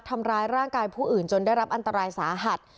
ทำร้ายร่างกายผู้อื่นจนได้รับอันตรายสาหัส